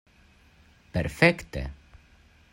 Perfekte.